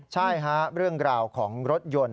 ใช่ฮะเรื่องราวของรถยนต์